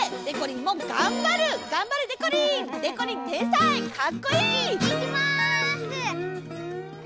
いってきます。